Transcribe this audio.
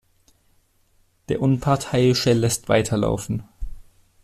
Der Unparteiische lässt weiterlaufen.